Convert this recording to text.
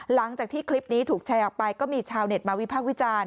หลังจากที่คลิปนี้ถูกแชร์ออกไปก็มีชาวเน็ตมาวิพากษ์วิจารณ์